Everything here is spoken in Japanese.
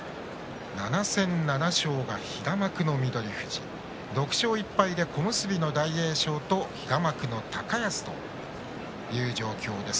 ７戦７勝が平幕の翠富士６勝１敗で小結の大栄翔と平幕の高安という状況です。